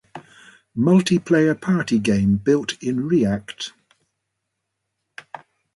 Multiplayer party game built in React